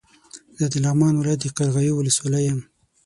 زه د لغمان ولايت د قرغيو ولسوالۍ يم